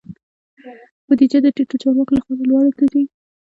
بودیجه د ټیټو چارواکو لخوا لوړو ته ځي.